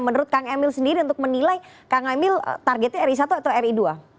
menurut kang emil sendiri untuk menilai kang emil targetnya ri satu atau ri dua